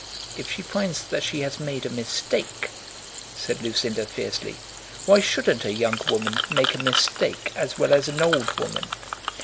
"If she finds that she has made a mistake ?" said Lucinda fiercely. "Why shouldn't a young woman make a mistake as well as an old woman?